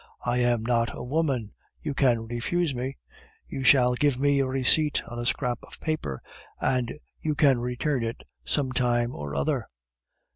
I am not a woman you can refuse me. You shall give me a receipt on a scrap of paper, and you can return it some time or other."